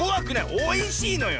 おいしいのよ。